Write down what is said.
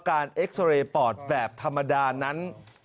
เอ็กซอเรย์ปอดแบบธรรมดานั้น